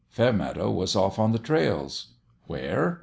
Fairmeadow was off on the trails. Where